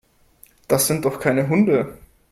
Das sind doch keine Hunde.